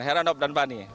heranob dan fani